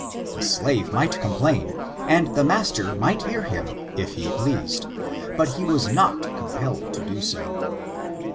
The slave might complain, and the mas ter might hear him if he pleased, but he was not com pelled to do so.